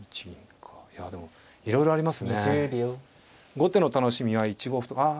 後手の楽しみは１五歩とああ。